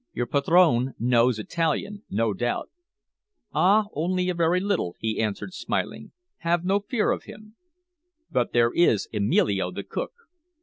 Your padrone knows Italian, no doubt." "Ah! only a very little," he answered, smiling. "Have no fear of him." "But there is Emilio, the cook?"